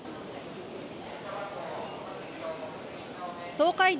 東海道